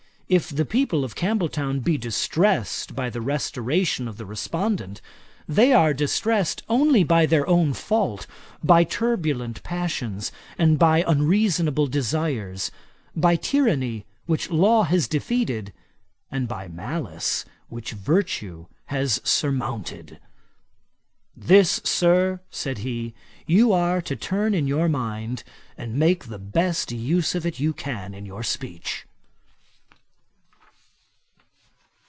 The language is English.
If the people of Campbelltown be distressed by the restoration of the respondent, they are distressed only by their own fault; by turbulent passions and unreasonable desires; by tyranny, which law has defeated, and by malice, which virtue has surmounted.' 'This, Sir, (said he,) you are to turn in your mind, and make the best use of it you can in your speech.'